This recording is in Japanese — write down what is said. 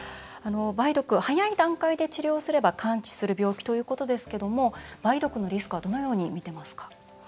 梅毒、早い段階で治療すれば完治する病気ということですが梅毒のリスクどう見ていますか？